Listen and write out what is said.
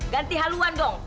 ganti haluan dong